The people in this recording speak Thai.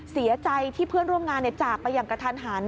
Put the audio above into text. เสียใจที่เพื่อนร่วมงานจากไปอย่างกระทันหัน